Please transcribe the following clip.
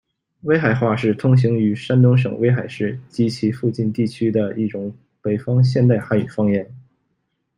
威海话是通行于山东省威海市及其附近地区的一种北方现代汉语方言。